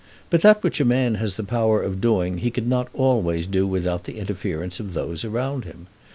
But that which a man has the power of doing he cannot always do without the interference of those around him.